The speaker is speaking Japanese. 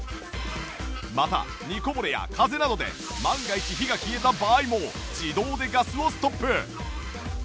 また煮こぼれや風などで万が一火が消えた場合も自動でガスをストップ